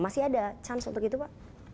masih ada chance untuk itu pak